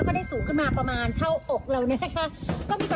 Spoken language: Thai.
วอลทุกคนนะคะช่วยกันนะคะ